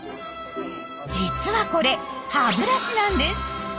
実はこれ歯ブラシなんです。